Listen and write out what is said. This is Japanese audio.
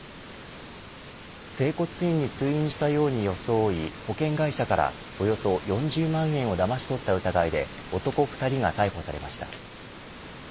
整骨院に通院したように装い保険会社からおよそ４０万円をだまし取った疑いで男２人が逮捕されました。